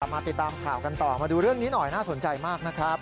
มาติดตามข่าวกันต่อมาดูเรื่องนี้หน่อยน่าสนใจมากนะครับ